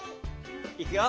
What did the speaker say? いくよ。